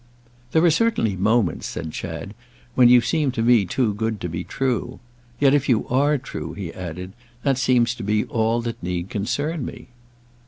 "There are certainly moments," said Chad, "when you seem to me too good to be true. Yet if you are true," he added, "that seems to be all that need concern me."